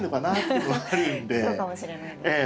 そうかもしれない。